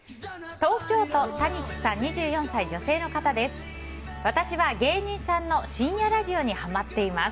東京都の２４歳女性の方です。